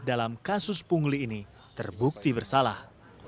dalam kasus pungli ini terbukti bersalah